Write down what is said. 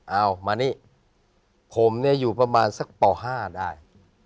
เอามานี่ผมเนี่ยอยู่ประมาณสักป๕ได้